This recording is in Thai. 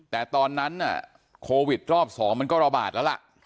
แต่ตอนนั้นน่ะโควิดรอบสองมันก็ระบาดแล้วล่ะค่ะ